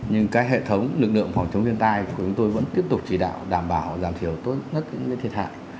nhưng các hệ thống lực lượng phòng chống thiên tai của chúng tôi vẫn tiếp tục chỉ đạo đảm bảo giảm thiểu tốt nhất những thiệt hại